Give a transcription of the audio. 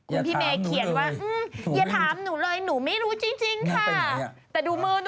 คุณพี่เมย์เขียนว่าอย่าถามหนูเลยหนูไม่รู้จริงค่ะ